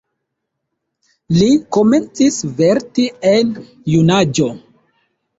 Li komencis verki en junaĝo.